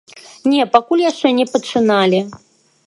Не, пакуль яшчэ не пачыналі.